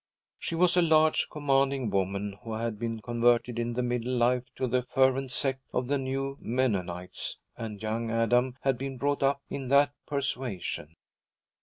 She was a large, commanding woman, who had been converted in middle life to the fervent sect of the new Mennonites, and young Adam had been brought up in that persuasion.